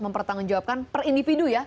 mempertanggungjawabkan per individu ya